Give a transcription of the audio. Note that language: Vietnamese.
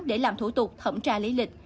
để làm thủ tục thẩm tra lý lịch